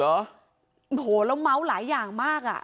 โอ้โหแล้วเมาส์หลายอย่างมากอ่ะ